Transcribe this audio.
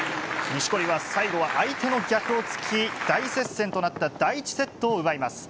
錦織は最後は相手の逆を突き、大接戦となった第１セットを奪います。